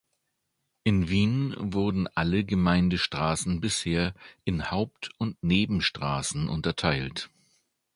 In Wien wurden alle Gemeindestraßen bisher in "Haupt-" und "Nebenstraßen" unterteilt.